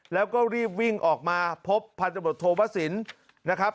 แล้วก็รีบวิ่งออกมาพบพันธบทโทพศิลป์